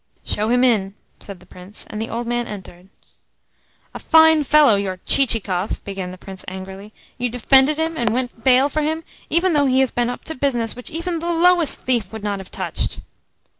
"Show him in," said the Prince; and the old man entered. "A fine fellow your Chichikov!" began the Prince angrily. "You defended him, and went bail for him, even though he had been up to business which even the lowest thief would not have touched!"